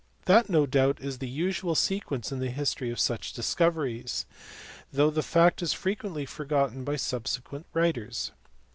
That no doubt is the usual sequence in the history of such discoveries, though the fact is frequently forgotten by subsequent writers.